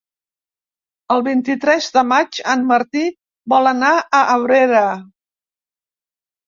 El vint-i-tres de maig en Martí vol anar a Abrera.